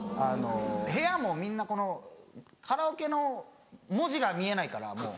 部屋もみんなカラオケの文字が見えないからもう。